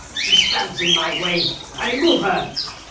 She stands in my way. I remove her."